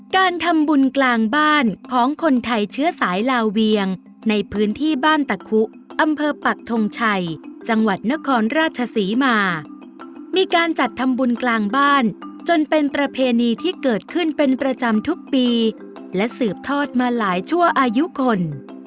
การทำบุญกลางบ้านของคนไทยเชื้อสายลาเวียงในพื้นที่บ้านตะคุอำเภอปักทงชัยจังหวัดนครราชศรีมามีการจัดทำบุญกลางบ้านจนเป็นประเพณีที่เกิดขึ้นเป็นประจำทุกปีและสืบทอดมาหลายชั่วอายุคน